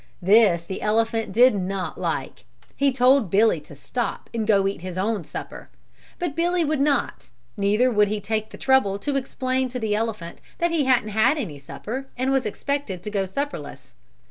This the elephant did not like. He told Billy to stop and go eat his own supper, but Billy would not, neither would he take the trouble to explain to the elephant that he hadn't any supper and was expected to go supperless.